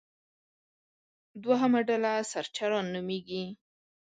دوهمه ډله سرچران نومېږي.